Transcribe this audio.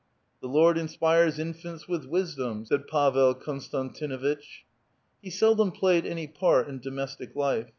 "The Lord inspires infants with wisdom," said Pavel Eonstantin uitch . He seldom played any part in domestic life.